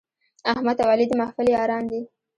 احمد او علي د محفل یاران دي.